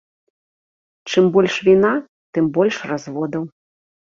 Чым больш віна, тым больш разводаў.